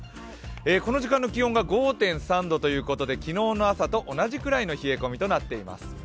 この時間の気温が５．３度ということで昨日の朝と同じくらいの冷え込みとなっています。